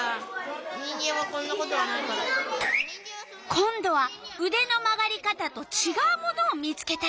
今度はうでの曲がり方とちがうものを見つけたよ！